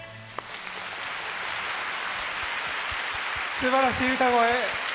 すばらしい歌声。